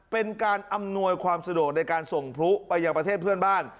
เป็นการอำนวยความสะดวกในการส่งพลุไปยังประเทศเพื่อนบ้าน